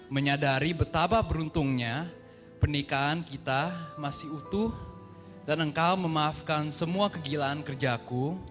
menyadari betapa beruntungnya pernikahan kita masih utuh dan engkau memaafkan semua kegilaan kerjaku